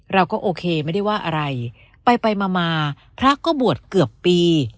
เราก็โอเคไม่ได้ว่าอะไรไปไปมามาพระก็บวชเกือบปี